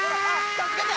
助けて！